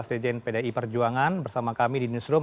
sejen pdi perjuangan bersama kami di newsroom